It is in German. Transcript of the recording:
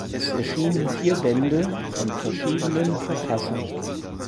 Es erschienen vier Bände von verschiedenen Verfassern.